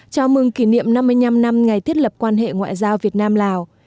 chào mừng kỷ niệm năm mươi năm năm ngày thiết lập quan hệ ngoại giao việt nam lào